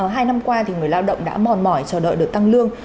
hai năm qua người lao động đã mòn mỏi chờ đợi được tăng lương